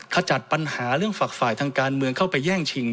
ขจัดปัญหาเรื่องฝักฝ่ายทางการเมืองเข้าไปแย่งชิง